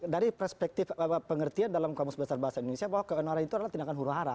dari perspektif pengertian dalam kamus besar bahasa indonesia bahwa keonaran itu adalah tindakan huru hara